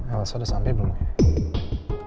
elas udah sampe belum ya